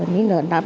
nên là năm